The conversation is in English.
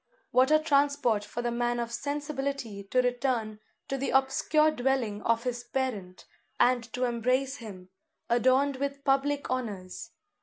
What a transport for the man of sensibility to return to the obscure dwelling of his parent, and to embrace him, adorned with public honours!